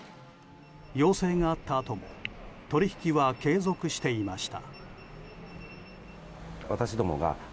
要請があったあとも取引は継続していました。